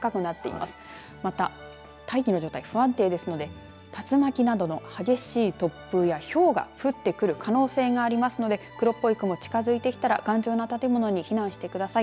また、大気の状態不安定ですので竜巻などの激しい突風や、ひょうが降ってくる可能性がありますので黒っぽい雲近づいてきたら頑丈な建物に避難してください。